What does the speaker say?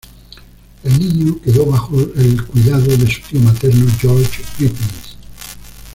El niño quedó bajo el cuidado de su tío materno, George Griffiths.